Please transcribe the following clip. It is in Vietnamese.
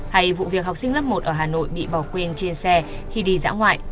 hay vụ việc học sinh lớp một ở hà nội bị bỏ quên trên xe khi đi dã ngoại